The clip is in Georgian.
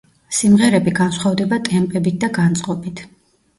სიმღერები განსხვავდება ტემპებით და განწყობით.